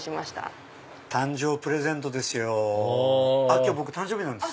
今日僕誕生日なんです。